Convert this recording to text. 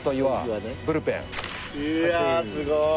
うわすごい。